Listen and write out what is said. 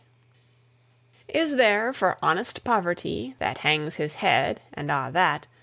Is there, for honest poverty, That hangs his head, and a' that?